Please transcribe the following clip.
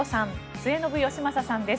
末延吉正さんです。